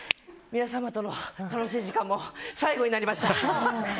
皆さまとの楽しい時間も最後になりました。